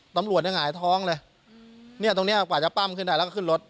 ตำรวจยังหงายท้องเลยเนี่ยตรงเนี้ยกว่าจะปั้มขึ้นได้แล้วก็ขึ้นรถ